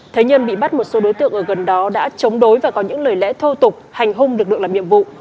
thế nhân bị bắt một số đối tượng ở gần đó đã chống đối và có những lời lẽ thô tục hành hung lực lượng làm nhiệm vụ